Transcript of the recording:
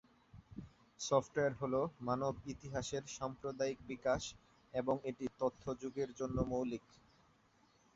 Software হ'ল মানব ইতিহাসের সাম্প্রতিক বিকাশ এবং এটি তথ্য যুগের জন্য মৌলিক।